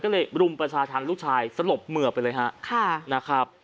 ก็เลยรุมประชาธารณ์ลูกชายสลบเหมือไปเลยฮะ